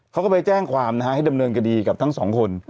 เขาก็ไปแจ้งความนะฮะให้ดำเนินคดีกับทั้งสองคน